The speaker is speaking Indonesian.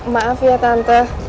maaf ya tante